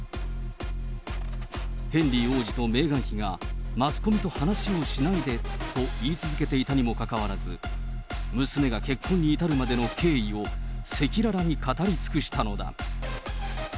ヘンリー王子とメーガン妃が、マスコミと話をしないでと言い続けていたにもかかわらず、娘が結婚に至るまでの経緯を赤裸々に語り尽くしたのだ。